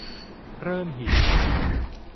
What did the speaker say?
เริ่มหิว